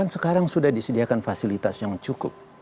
sekarang sudah disediakan fasilitas yang cukup